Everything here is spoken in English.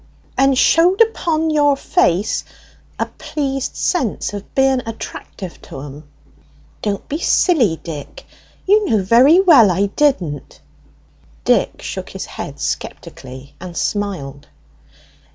"And showed upon your face a pleased sense of being attractive to 'em." "Don't be silly, Dick! You know very well I didn't." Dick shook his head sceptically, and smiled.